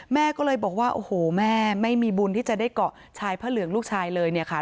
แม่ก็เลยบอกว่าโอ้โหแม่ไม่มีบุญที่จะได้เกาะชายพระเหลืองลูกชายเลยเนี่ยค่ะ